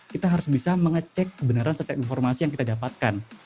kita harus bisa mengecek kebenaran setiap informasi yang kita dapatkan